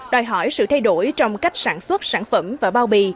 đòi hỏi sự thay đổi trong cách sản xuất sản phẩm và bao bì